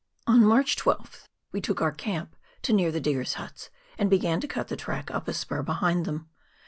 On March 12th we took our camp to near the diggers' huts, and began to cut the track up a spur behind them.